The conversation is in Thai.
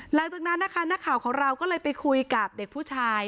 หลังจากนั้นนะคะนักข่าวของเราก็เลยไปคุยกับเด็กผู้ชาย